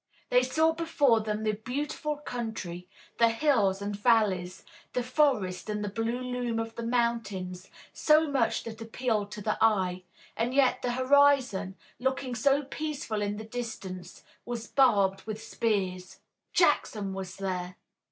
They saw before them the beautiful country, the hills and valleys, the forest and the blue loom of the mountains, so much that appealed to the eye, and yet the horizon, looking so peaceful in the distance, was barbed with spears. Jackson was there!